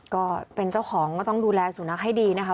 ก็เป็นเจ้าของก็ต้องดูแลสุนัขให้ดีนะคะ